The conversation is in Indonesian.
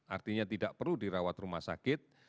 artinya tidak perlu dirawat rumah sakit